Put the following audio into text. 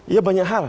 ya banyak hal